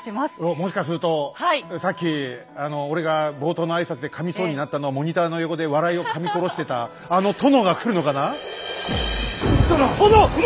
もしかするとさっき俺が冒頭の挨拶でかみそうになったのをモニターの横で笑いをかみ殺してた殿！